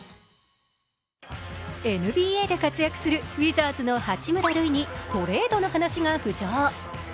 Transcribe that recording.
ＮＢＡで活躍するウィザーズの八村塁にトレードの話が浮上。